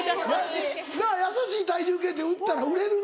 なっ優しい体重計で売ったら売れるな。